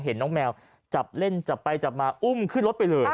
เห็นน้องแมวจับเล่นจับไปจับมาอุ้มขึ้นรถไปเลย